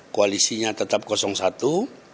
koalisinya tetap kosong satu